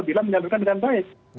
bila menyalurkan dengan baik